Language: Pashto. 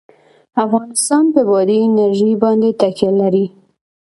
افغانستان په بادي انرژي باندې تکیه لري.